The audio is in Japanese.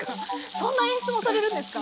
そんな演出もされるんですか？